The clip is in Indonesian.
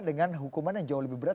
dengan hukuman yang jauh lebih berat